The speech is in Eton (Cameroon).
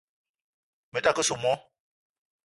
Me ta ke soo moo